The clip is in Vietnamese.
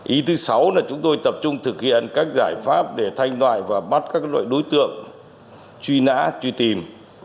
ý thứ sáu là chúng tôi tập trung thực hiện các giải pháp để thanh loại và bắt các loại đối tượng truy nã truy tìm